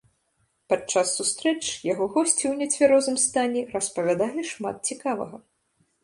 Падчас сустрэч яго госці ў нецвярозым стане распавядалі шмат цікавага.